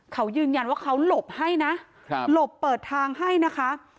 เขายืนยันว่าเขาหลบให้นะหลบเปิดทางให้นะคะ